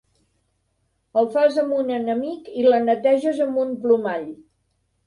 El fas amb un enemic i la neteges amb un plomall.